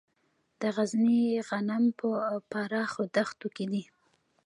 د غزني غنم په پراخو دښتو کې دي.